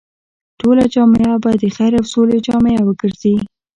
ټوله جامعه به د خير او سولې جامعه وګرځي.